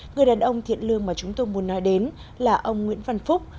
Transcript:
người đàn ông thiện lương mà chúng tôi muốn nói đến là ông nguyễn văn phúc